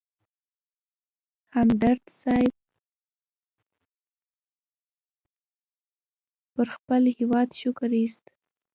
همدرد صیب پر خپل هېواد شکر اېست.